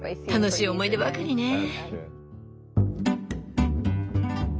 楽しい思い出ばかりね。